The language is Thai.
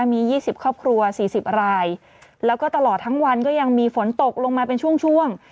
มียี่สิบครอบครัวสี่สิบไรแล้วก็ตลอดทั้งวันก็ยังมีฝนตกลงมาเป็นช่วงช่วง